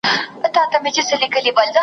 اوښکه د باڼو پر سر تکیه یمه تویېږمه .